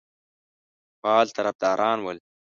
فعال طرفداران ول.